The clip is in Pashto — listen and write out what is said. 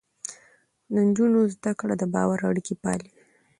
د نجونو زده کړه د باور اړيکې پالي.